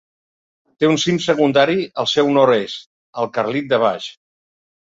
Té un cim secundari al seu nord-est, el Carlit de Baix.